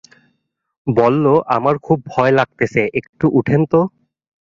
বলল, আমার খুব ভয় লাগতেছে, একটু উঠেন তো।